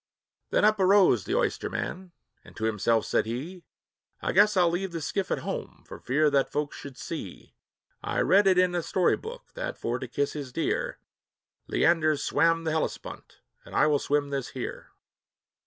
Then up arose the oysterman, and to himself said he, "I guess I 'll leave the skiff at home, for fear that folks should see I read it in the story book, that, for to kiss his dear, Leander swam the Hellespont, and I will swim this here."